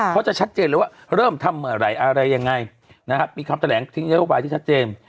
เขาจะชัดเจนเลยว่าเริ่มทำอะไรอะไรยังไงมีคำแถลงที่มีโยบายที่ชัดเจน